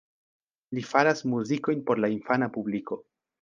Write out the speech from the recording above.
Li faras muzikojn por la infana publiko.